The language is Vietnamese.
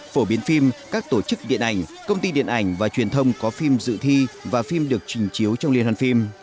phổ biến phim các tổ chức điện ảnh công ty điện ảnh và truyền thông có phim dự thi và phim được trình chiếu trong liên hoàn phim